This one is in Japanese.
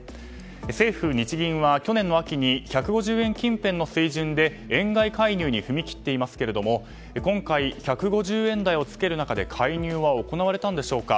政府・日銀は去年の秋に１５０円近辺の水準で円買い介入に踏み切っていますけれども今回、１５０円台をつける中で介入は行われたんでしょうか。